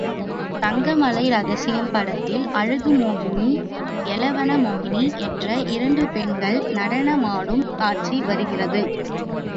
தங்கமலை ரகசியம் படத்தில் அழகு மோகினி, யெளவன மோகினி என்ற இரண்டு பெண்கள் நடனமாடும் காட்சி வருகிறது.